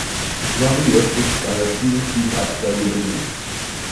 Johnny lässt sich zu einer zwielichtigen Absteige bringen.